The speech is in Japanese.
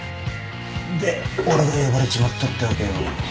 で俺が呼ばれちまったってわけよ。